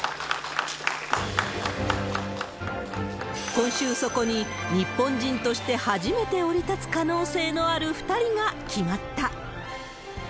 今週、そこに日本人として初めて降り立つ可能性のある２人が決まった。